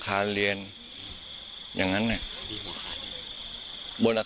ฐานพระพุทธรูปทองคำ